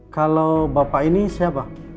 kalau bapak ini siapa